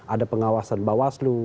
ada pengawasan bawas lu